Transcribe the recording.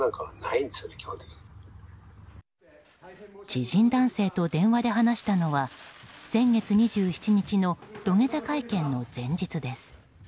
知人男性と電話で話したのは先月２７日の土下座会見の前日です。